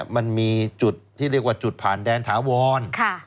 มันมีจุดที่เรียกว่าจุดผ่านแดนถาวร